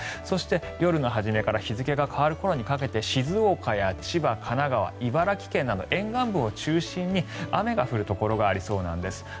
そして、夜の初めから日付が変わる頃にかけて静岡や千葉、神奈川、茨城県など沿岸部を中心に雨が降るところがありそうなんです。